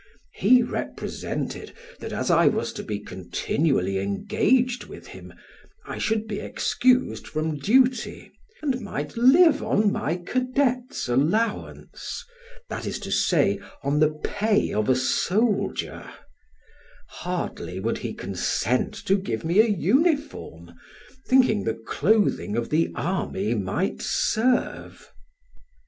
He represented that as I was to be continually engaged with him, I should be excused from duty, and might live on my cadet's allowance; that is to say, on the pay of a soldier: hardly would he consent to give me a uniform, thinking the clothing of the army might serve.